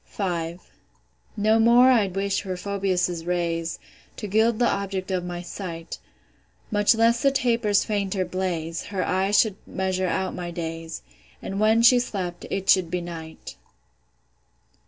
V. No more I'd wish for Phoebus' rays, To gild the object of my sight; Much less the taper's fainter blaze: Her eyes should measure out my days; And when she slept, it should be night.